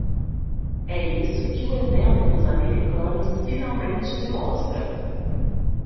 É isso que o exemplo dos americanos finalmente demonstra.